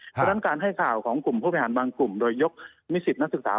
เพราะฉะนั้นการให้ข่าวของกลุ่มผู้บริหารบางกลุ่มโดยยกนิสิตนักศึกษา